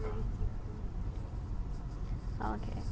โอเค